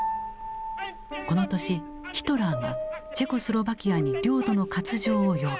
この年ヒトラーがチェコスロバキアに領土の割譲を要求。